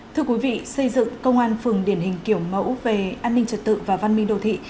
thưa quý vị xây dựng công an phường điển hình kiểu mẫu về an ninh trật tự và văn minh đồ thị